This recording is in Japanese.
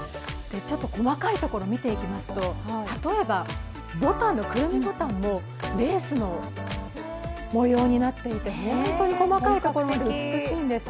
細かいところを見ていきますと、例えば、くるみボタンもレースの模様になっていて本当に細かいところまで美しいんです。